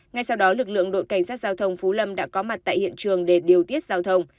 ngay sau đó lực lượng đội cảnh sát giao thông phú lâm đã có mặt tại hiện trường để điều tiết giao thông